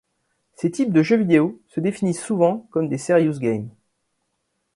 Ces types de jeux vidéo se définissent souvent comme des Serious Game.